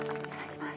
いただきます。